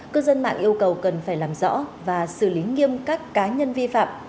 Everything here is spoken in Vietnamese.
cư dân mạng yêu cầu cần phải làm rõ và xử lý nghiêm các cá nhân vi phạm